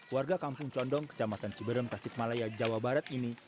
warga kampung condong kecamatan ciberem tasikmalaya jawa barat ini